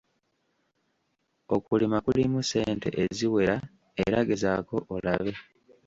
Okulima kulimu ssente eziwera era gezaako olabe.